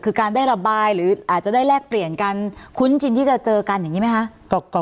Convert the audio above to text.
คือการได้ระบายหรืออาจจะได้แลกเปลี่ยนกันคุ้นชินที่จะเจอกันอย่างนี้ไหมคะ